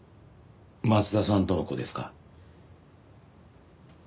松田さんとの子ですか？